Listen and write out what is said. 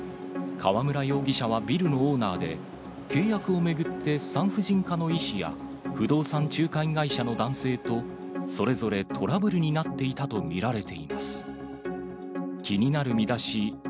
河村容疑者はビルのオーナーで、契約を巡って産婦人科の医師や、不動産仲介会社の男性と、それぞれトラブルになっていたと見られています。